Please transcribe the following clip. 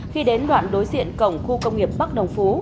khi đến đoạn đối diện cổng khu công nghiệp bắc đồng phú